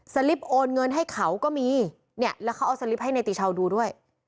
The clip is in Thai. ลิปโอนเงินให้เขาก็มีเนี่ยแล้วเขาเอาสลิปให้เนติชาวดูด้วย